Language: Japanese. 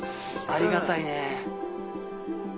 ありがたいね。